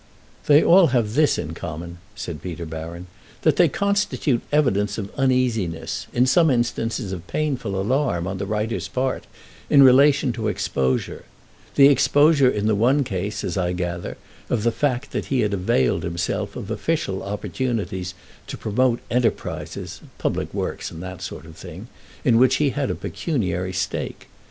"They all have this in common," said Peter Baron, "that they constitute evidence of uneasiness, in some instances of painful alarm, on the writer's part, in relation to exposure—the exposure in the one case, as I gather, of the fact that he had availed himself of official opportunities to promote enterprises (public works and that sort of thing) in which he had a pecuniary stake.